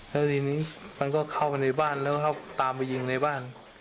แล้วทีนี้มันก็เข้าไปในบ้านแล้วเขาตามไปยิงในบ้าน